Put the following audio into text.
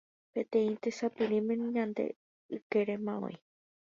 peteĩ tesapirĩme ñande ykérema oĩ